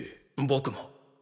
僕も。